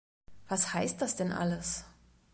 Was heißt das denn alles?